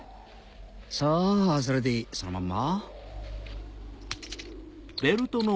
そうそれでいいそのまんま。